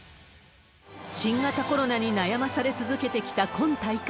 新型コロナに悩まされ続けてきた今大会。